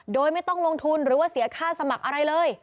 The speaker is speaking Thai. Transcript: โดยไม่ต้องลงทุนหรือว่าเสียค่าสมัครอะไรเลย